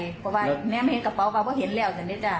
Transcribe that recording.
เพราะว่าแม่มันเห็นกระเป๋าไปเพราะว่าเห็นแล้วสักนิดจ้ะ